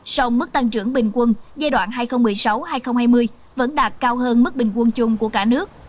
sông mức tăng trưởng bình quân giai đoạn hai nghìn một mươi sáu hai nghìn hai mươi vẫn đạt cao hơn mức bình quân chung của cả nước